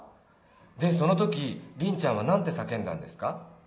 でその時リンちゃんは何て叫んだんですか？